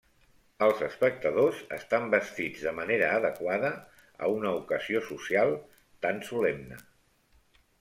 Els espectadors estan vestits de manera adequada a una ocasió social tan solemne.